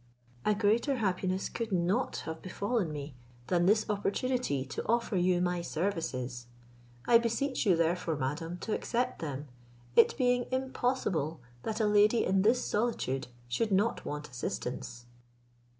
A greater happiness could not have befallen me than this opportunity to offer you my services. I beseech you, therefore, madam, to accept them, it being impossible that a lady in this solitude should not want assistance."